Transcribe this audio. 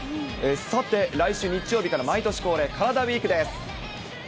さて、来週日曜日から毎年恒例、カラダＷＥＥＫです。